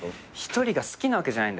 １人が好きなわけじゃない。